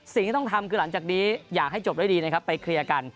สิ่งที่ต้องทำคือหลังจากนี้อยากให้จบด้วยดีนะครับไปเคลียร์กัน